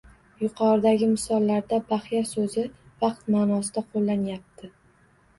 Yuqoridagi misollarda baxya soʻzi vaqt maʼnosida qoʻllanyapti